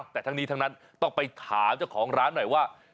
แต่ทั้งนี้ทั้งนั้นต้องไปถามเจ้าของร้านหน่อยว่า